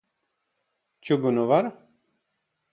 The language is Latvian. Čugunu var?